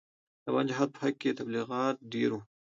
د افغان جهاد په حق کې تبلیغات ډېر وو.